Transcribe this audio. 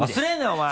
お前！